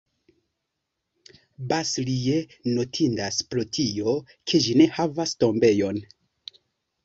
Bas-Lieu notindas pro tio, ke ĝi ne havas tombejon.